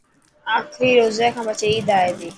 آخري روزي کان پڇي عيد آي تي